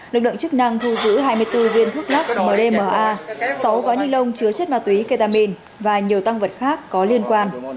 lực lượng chức năng thu giữ hai mươi bốn viên thuốc lắc mdma sáu gói ni lông chứa chất ma túy ketamine và nhiều tăng vật khác có liên quan